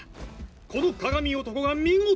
この鏡男が見事！